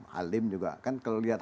halim juga kan kalau lihat